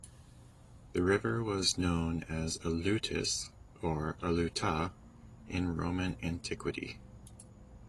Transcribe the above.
The river was known as "Alutus" or "Aluta" in Roman antiquity.